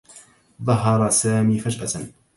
ظهر سامي فجأة.